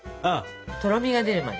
とろみが出るまで。